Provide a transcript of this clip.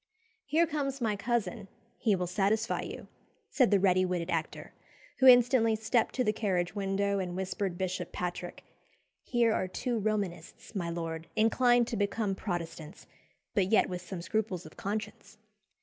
"Here comes my cousin, he will satisfy you," said the ready witted actor, who instantly stepped to the carriage window and whispered Bishop Patrick "Here are two Romanists, my lord, inclined to become Protestants, but yet with some scruples of conscience."